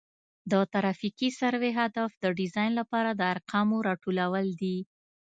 د ترافیکي سروې هدف د ډیزاین لپاره د ارقامو راټولول دي